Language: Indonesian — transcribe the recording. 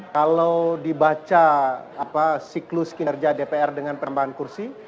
kalau dibaca siklus kinerja dpr dengan penambahan kursi